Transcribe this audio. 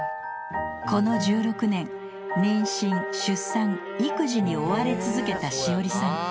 この１６年妊娠出産育児に追われ続けた紫織さん。